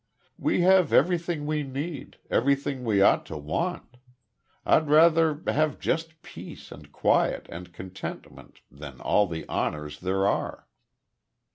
We have everything we need everything we ought to want. I'd rather have just peace, and quiet and contentment, than all the honors there are."